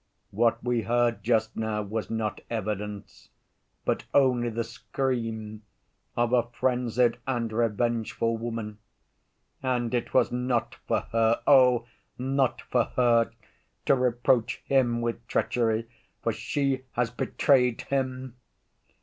What we heard just now was not evidence, but only the scream of a frenzied and revengeful woman, and it was not for her—oh, not for her!—to reproach him with treachery, for she has betrayed him!